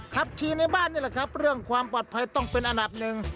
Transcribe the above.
ขับขี่ในบ้านนี่แหละครับเรื่องความปลอดภัยต้องเป็นอันดับหนึ่ง